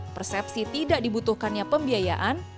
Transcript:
persepsi tidak dibutuhkannya pembiayaan